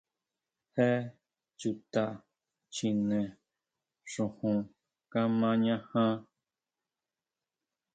¿Jé chuta chjine xujun kamañajan?